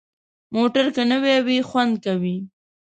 موټر که نوي وي، خوند کوي.